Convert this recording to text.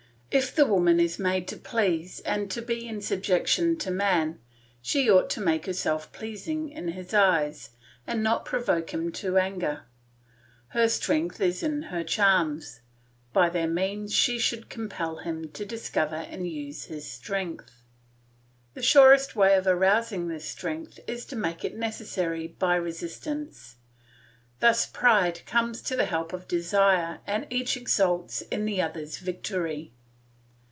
If woman is made to please and to be in subjection to man, she ought to make herself pleasing in his eyes and not provoke him to anger; her strength is in her charms, by their means she should compel him to discover and use his strength. The surest way of arousing this strength is to make it necessary by resistance. Thus pride comes to the help of desire and each exults in the other's victory.